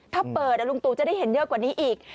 ถ้าเปิดลุงตู่จะได้เห็นเยอะกว่านี้อีก